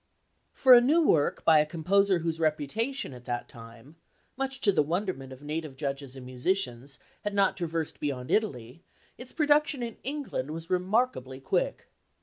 For a new work by a composer whose reputation at that time, much to the wonderment of native judges and musicians, had not traversed beyond Italy, its production in England was remarkably quick.